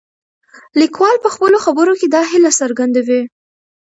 لیکوال په خپلو خبرو کې دا هیله څرګندوي.